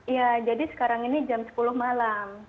ya jadi sekarang ini jam sepuluh malam